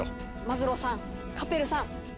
マズローさんカペルさん。